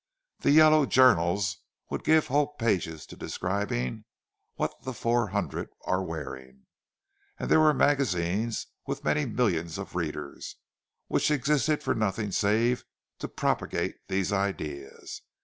The "yellow" journals would give whole pages to describing "What the 400 are wearing"; there were magazines with many millions of readers, which existed for nothing save to propagate these ideas.